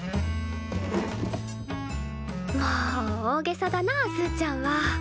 もう大げさだなすーちゃんは。